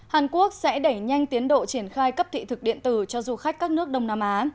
hàn quốc sẽ đẩy nhanh tiến độ triển khai cấp thị thực điện tử cho du khách các nước đông nam á